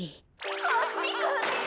「こっちこっち」。